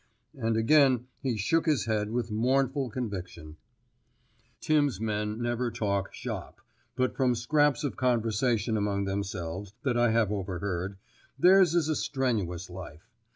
And again he shook his head with mournful conviction. Tims' men never talk "shop," but from scraps of conversation among themselves that I have overheard, theirs is a strenuous life.